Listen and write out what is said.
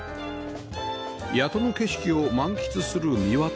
谷戸の景色を満喫する三輪邸